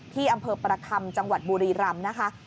ที่อำเภอประคำจังหวัดบุรีรำนะคะ